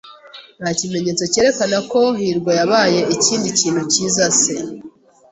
Nta kimenyetso cyerekana ko hirwa yabaye ikindi kintu cyiza se.